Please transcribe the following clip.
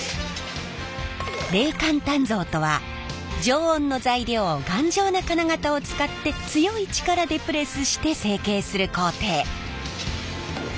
冷間鍛造とは常温の材料を頑丈な金型を使って強い力でプレスして成形する工程。